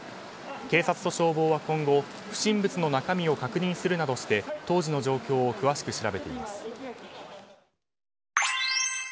警察と消防は今後不審物の中身を確認するなどして当時の状況を詳しく調べています。